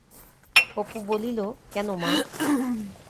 অপু বলিল, কেন মা?